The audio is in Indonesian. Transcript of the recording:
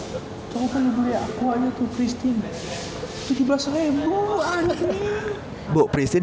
coba lu beli aqua nya tuh pristine